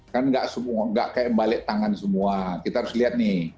kan nggak semua nggak kayak balik tangan semua kita harus lihat nih